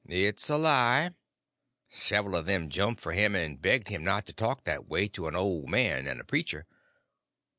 "It's a lie." Several of them jumped for him and begged him not to talk that way to an old man and a preacher.